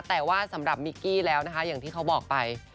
แต่ว่าสำหรับมิกกี้แล้วนะคะอย่างที่เขาบอกไป